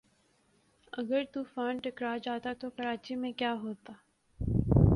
اگر طوفان ٹکرا جاتا تو کراچی میں کیا ہوتا